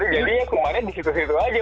jadi ya kumannya di situ situ aja